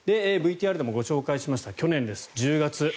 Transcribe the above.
ＶＴＲでもご紹介しました去年です、１０月。